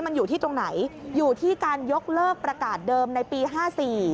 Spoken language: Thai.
มันอยู่ที่ตรงไหนอยู่ที่การยกเลิกประกาศเดิมในปีห้าสี่